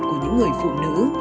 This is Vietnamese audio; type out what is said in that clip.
của những người phụ nữ